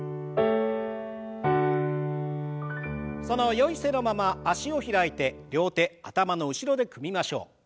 そのよい姿勢のまま脚を開いて両手頭の後ろで組みましょう。